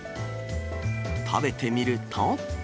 食べてみると。